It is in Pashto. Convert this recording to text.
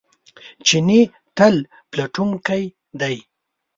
چیني تل پلټونکی دی.